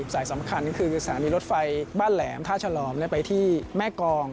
สายสำคัญก็คือสถานีรถไฟบ้านแหลมท่าฉลอมไปที่แม่กอง